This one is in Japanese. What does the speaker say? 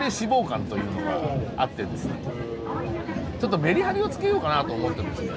ちょっとメリハリをつけようかなと思ってですね